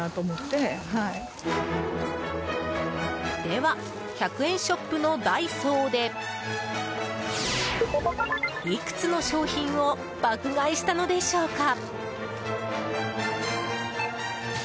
では、１００円ショップのダイソーでいくつの商品を爆買いしたのでしょうか？